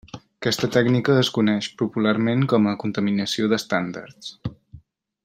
Aquesta tècnica es coneix popularment com a "contaminació d'estàndards".